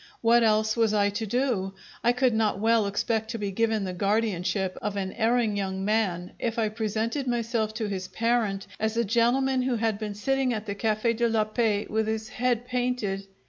What else was I to do? I could not well expect to be given the guardianship of an erring young man if I presented myself to his parent as a gentleman who had been sitting at the Cafe' de la Paix with his head painted.